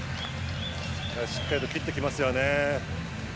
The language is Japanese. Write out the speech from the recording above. しっかりと切ってきますよね。